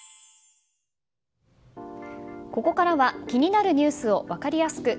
ここからは気になるニュースを分かりやすく。